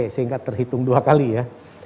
sehingga terhitung dua kali ya